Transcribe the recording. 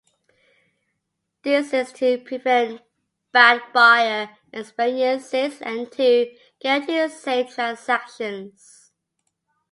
This is to prevent bad buyer experiences and to guarantee safe transactions.